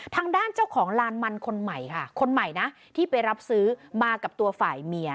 ทางด้านเจ้าของลานมันคนใหม่ค่ะคนใหม่นะที่ไปรับซื้อมากับตัวฝ่ายเมีย